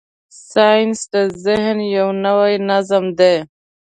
ساینس د ذهن یو نوی نظم دی.